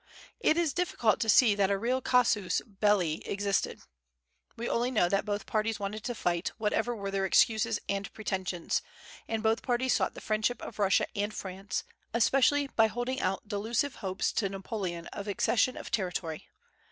It is difficult to see that a real casus belli existed. We only know that both parties wanted to fight, whatever were their excuses and pretensions; and both parties sought the friendship of Russia and France, especially by holding out delusive hopes to Napoleon of accession of territory.